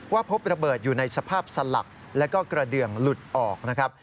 พบระเบิดอยู่ในสภาพสลักแล้วก็กระเดืองหลุดออกนะครับ